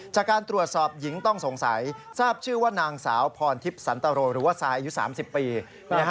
จากการตรวจสอบหญิงต้องสงสัยทราบชื่อว่านางสาวพรทิพย์สันตรโรหรือว่าทรายอายุ๓๐ปี